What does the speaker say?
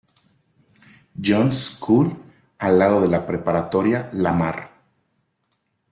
John's School, al lado de la preparatoria Lamar.